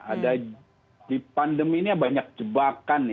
ada di pandemi ini ada banyak jebakan